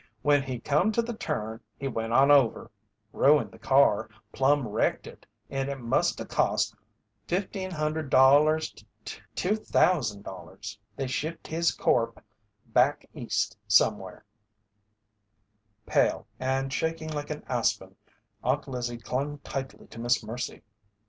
When he come to the turn he went on over. Ruined the car, plumb wrecked it, and it must a cost $1,500 to $2,000. They shipped his corp' back East somewhere." Pale, and shaking like an aspen, Aunt Lizzie clung tightly to Miss Mercy.